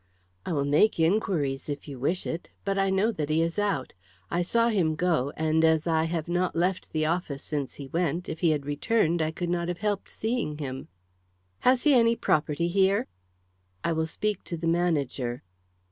"I will make inquiries if you wish it. But I know that he is out. I saw him go, and, as I have not left the office since he went, if he had returned I could not have helped seeing him." "Has he any property here?" "I will speak to the manager."